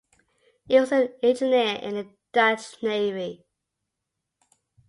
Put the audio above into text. He was an engineer in the Dutch Navy.